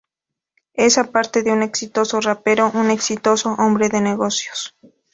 Es aparte de un exitoso rapero, un exitoso hombre de negocios.